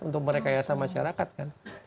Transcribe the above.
untuk merekayasa masyarakat kan